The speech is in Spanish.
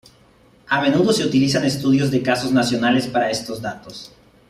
A menudo se utilizan estudios de casos nacionales para estos datos.